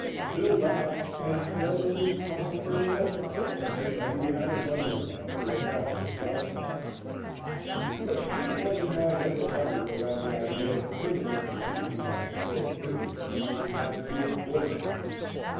Bill laughed, and said it was probably a lucky thing for him that he had a mother in law to look after his welfare. But if Swiftwater's mind ever hovered around the idea of criminal proceedings on the score of bigamy, he did not give voice to it.